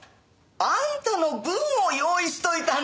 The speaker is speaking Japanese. あんたの分を用意しといたんだよ。